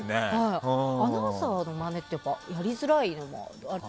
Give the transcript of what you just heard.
アナウンサーのマネってやりづらいのもある。